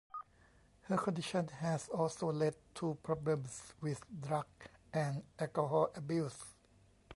Her condition had also led to problems with drug and alcohol abuse.